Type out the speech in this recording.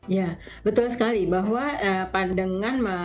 ya betul sekali bahwa dengan melihat adanya suatu luka di area yang tadi disampaikan